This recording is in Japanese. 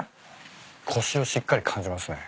コシをしっかり感じますね